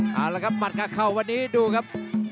เอาละครับหมัดกับเข่าวันนี้ดูครับ